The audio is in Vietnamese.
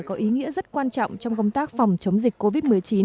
có ý nghĩa rất quan trọng trong công tác phòng chống dịch covid một mươi chín